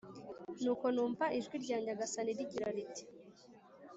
Nuko numva ijwi rya Nyagasani rigira riti